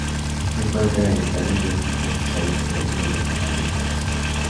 Se encuentra en taludes y pastizales sobre suelos generalmente básicos.